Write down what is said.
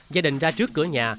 gia đình ra trước cửa nhà